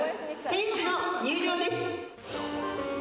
選手の入場です。